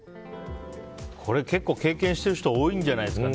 これ結構、経験してる人多いんじゃないですかね。